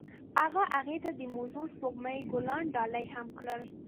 هغه هغې ته د موزون سپوږمۍ ګلان ډالۍ هم کړل.